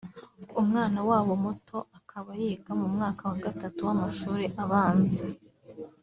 umwana wabo muto akaba yiga mu mwaka wa gatatu w’amashuri abanza